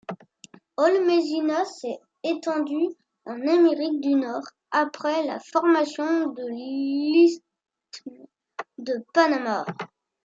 Holmesina s’est étendu en Amérique du Nord après la formation de l’isthme de Panama.